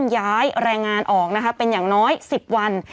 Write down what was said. ย้ายแรงงานออกนะคะเป็นอย่างน้อย๑๐วัน